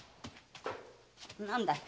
何だい。